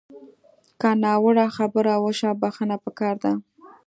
که ناوړه خبره وشوه، بښنه پکار ده